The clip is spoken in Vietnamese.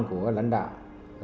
của lãnh đạo